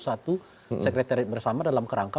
satu sekretariat bersama dalam kerangka